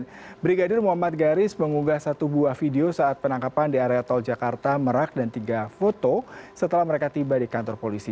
dan brigadir muhammad garis mengunggah satu buah video saat penangkapan di area tol jakarta merak dan tiga foto setelah mereka tiba di kantor polisi